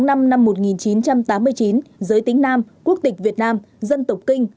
tính ngày hai mươi tám tháng năm năm một nghìn chín trăm tám mươi chín giới tính nam quốc tịch việt nam dân tộc kinh